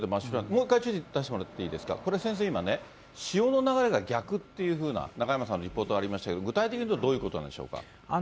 もう一回地図出してもらっていいですか、これ、先生、今ね、潮の流れが逆っていうふうな中山さんのリポートありましたけど、具体的に言うと、どういうことなんでしょうか。